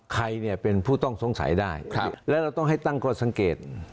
ใครเนี่ยเป็นผู้ต้องสงสัยได้แล้วเราต้องให้ตั้งข้อสังเกต